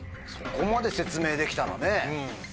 そこまで説明できたらね。